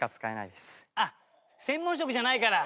あっ専門職じゃないから？